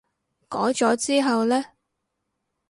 改咗之後呢？